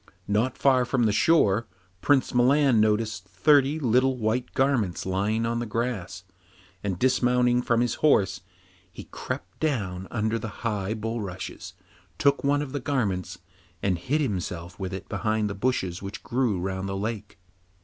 Not far from the shore Prince Milan noticed thirty little white garments lying on the grass, and dismounting from his horse, he crept down under the high bulrushes, took one of the garments and hid himself with it behind the bushes which grew round the lake.